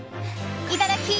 いただき！